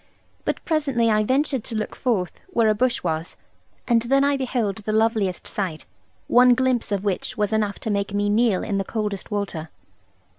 But presently I ventured to look forth where a bush was; and then I beheld the loveliest sight one glimpse of which was enough to make me kneel in the coldest water.